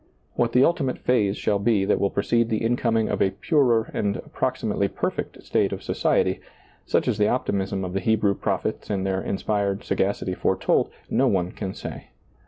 What the ultimate phase shall be that will precede the incoming of a purer and approximately perfect state of society, such as the optimism of the Hebrew prophets and their inspired s^acity foretold, no one can say.